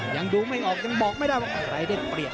ยังดูไม่ออกยังบอกไม่ได้ว่าใครได้เปรียบ